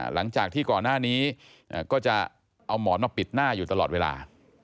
หลังจากที่ก่อนหน้านี้ก็จะเอาหมอนมาปิดหน้าอยู่ตลอดเวลา